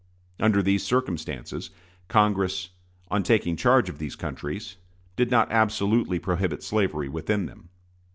Under these circumstances, Congress, on taking charge of these countries, did not absolutely prohibit slavery within them.